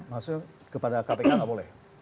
maksudnya kepada kpk nggak boleh